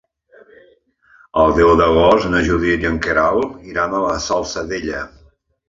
El deu d'agost na Judit i en Quel iran a la Salzadella.